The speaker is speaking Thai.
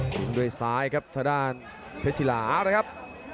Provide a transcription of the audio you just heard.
กินด้วยซ้ายครับทะดานเฟซิลาเลยครับ